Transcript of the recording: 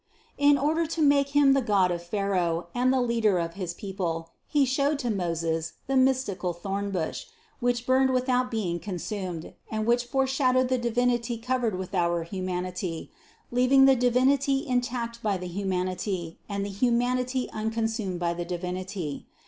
159. In order to make him the god of Pharao and the leader of his people He showed to Moses the mystical thornbush, which burned without being consumed and which foreshadowed the Divinity covered with our hu manity, leaving the Divinity intact by the humanity and the humanity unconsumed by the Divinity.